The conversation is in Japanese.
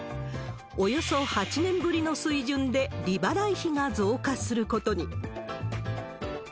およそ８年ぶりの水準で利払い費が増加することに。